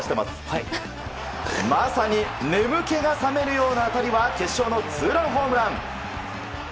まさに眠気が覚めるような当たりは決勝のツーランホームラン。